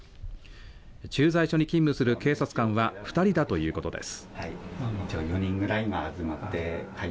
駐在所に勤務する警察官は２人だということです。